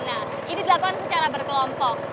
nah ini dilakukan secara berkelompok